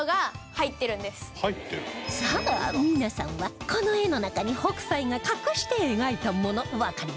さあ皆さんはこの絵の中に北斎が隠して描いたものわかりましたか？